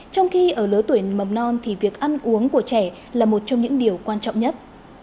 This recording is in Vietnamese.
trong khi ở lứa tuổi mầm non thì việc ăn uống của trẻ là một trong những điều quan trọng nhất